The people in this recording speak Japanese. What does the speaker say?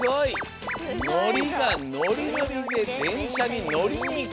「のりがノリノリででんしゃにのりにいく」。